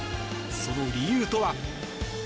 その理由とは？